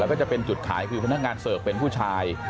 แล้วก็จะเป็นจุดขายคือพนักงานเสิร์ฟเป็นผู้ชาย